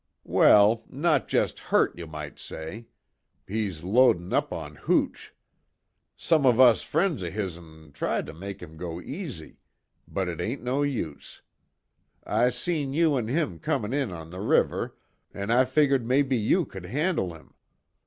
"Well not jest hurt, you might say. He's loadin' up on hooch. Some of us friends of hisn tried to make him go easy but it ain't no use. I seen you an' him comin' in on the river, an' I figgered mebbe you could handle him.